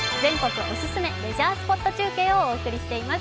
おすすめレジャースポットをお送りしています。